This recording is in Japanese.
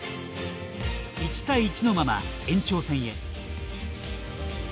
１対１のまま、延長戦へ。